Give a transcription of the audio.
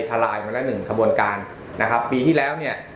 ทลายมาแล้วหนึ่งขบวนการนะครับปีที่แล้วเนี่ย